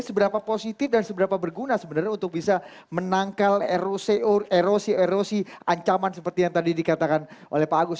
seberapa positif dan seberapa berguna sebenarnya untuk bisa menangkal erosi erosi ancaman seperti yang tadi dikatakan oleh pak agus